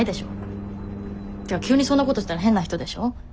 ってか急にそんなことしたら変な人でしょ？